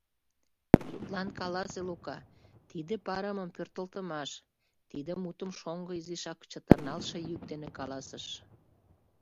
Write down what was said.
Тудлан каласе, Лука, тиде — парымым пӧртылтымаш, — тиде мутым шоҥго изишак чытырналтше йӱк дене каласыш.